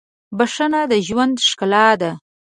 • بښنه د ژوند ښکلا ده.